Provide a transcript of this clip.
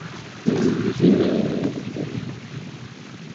যন্ত্রণার হাত থেকে বাঁচার জন্য রাস্তায় গড়াগড়ি দিয়েছিলেন, কিন্তু শেষ রক্ষা হয়নি।